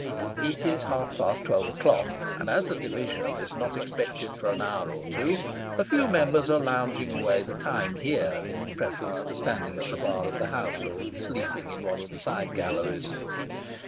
It is half past twelve o'clock, and as the division is not expected for an hour or two, a few Members are lounging away the time here in preference to standing at the bar of the House, or sleeping in one of the side galleries.